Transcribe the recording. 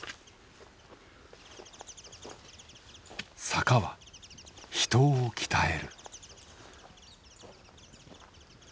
坂は人を鍛える。